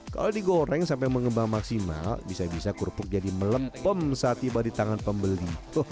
kalau digoreng sampai mengembang maksimal bisa bisa kerupuk jadi melempem saat tiba di tangan pembeli